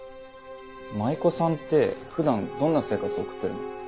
舞妓さんって普段どんな生活送ってるの？